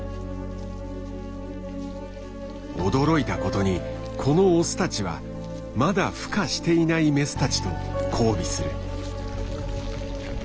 驚いたことにこのオスたちはまだふ化していないメスたちと交尾する。